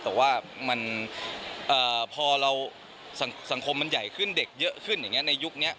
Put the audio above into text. แต่ว่าพอเราสังคมมันใหญ่ขึ้นเด็กเยอะขึ้นอย่างนี้ในยุคนี้